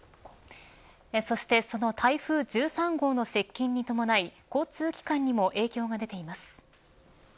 そして、その台風１３号の接近に伴い交通機関にも影響が出ています。